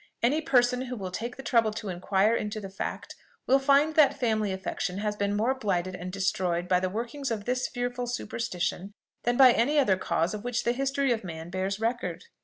Any person who will take the trouble to inquire into the fact, will find that family affection has been more blighted and destroyed by the workings of this fearful superstition than by any other cause of which the history of man bears record.